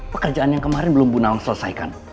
pekerjaan yang kemarin belum bunda wang selesaikan